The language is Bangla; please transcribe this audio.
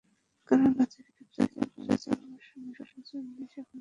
কারওয়ান বাজারের বিক্রেতারা বলছেন, বর্ষা মৌসুমের প্রচুর ইলিশ এখন ধরা পড়ছে।